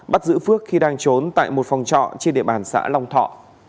bắt giữ phước khi đang trốn tại một phòng trọ trên địa bàn xã long thọ